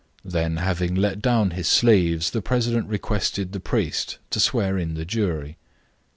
Then, having let down his sleeves, the president requested the priest to swear in the jury.